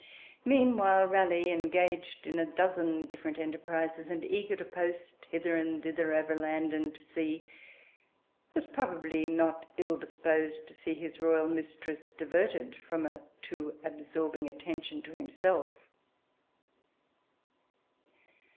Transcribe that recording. Meanwhile Raleigh, engaged in a dozen different enterprises, and eager to post hither and thither over land and sea, was probably not ill disposed to see his royal mistress diverted from a too absorbing attention to himself.